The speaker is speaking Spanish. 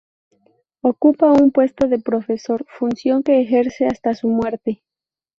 Ocupa un puesto de profesor, función que ejerce hasta su muerte.